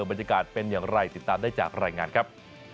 บรรยากาศเป็นอย่างไรติดตามได้จากรายงานครับ